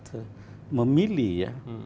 silahkan masyarakat memilih ya